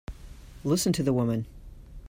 Listen to the woman!